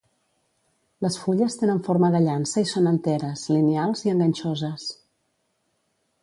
Les fulles tenen forma de llança i són enteres, lineals i enganxoses.